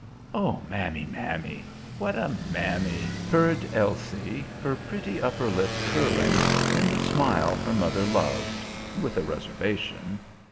"Oh, mammy, mammy! what a mammy!" purred Elsie, her pretty upper lip curling in the smile her mother loved with a reservation.